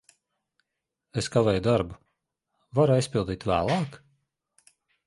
Es kavēju darbu. Varu aizpildīt vēlāk?